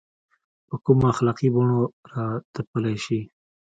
په کومو اخلاقي بڼو راتپلی شي.